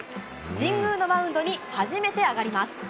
神宮のマウンドに初めて上がります。